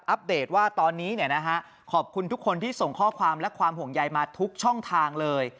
เดตว่าตอนนี้ขอบคุณทุกคนที่ส่งข้อความและความห่วงใยมาทุกช่องทางเลย